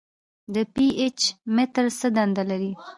د پي ایچ متر څه دنده لري.